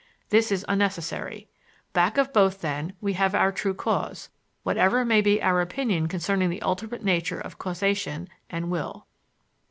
This is unnecessary. Back of both, then, we have our true cause, whatever may be our opinion concerning the ultimate nature of causation and of will.